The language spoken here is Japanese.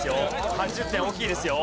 ８０点大きいですよ。